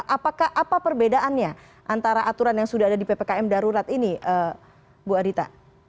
apakah apa perbedaannya antara aturan yang sudah ada di ppkm darurat ini bu adita